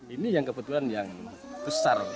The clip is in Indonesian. ini yang kebetulan yang besar